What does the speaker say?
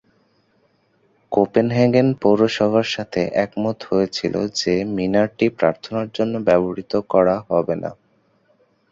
Copenhagen পৌরসভার সাথে একমত হয়েছিল যে মিনারটি প্রার্থনার জন্য ব্যবহৃত করা হবে না।